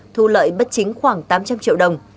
thu lợi bất chính khoảng tám trăm linh triệu đồng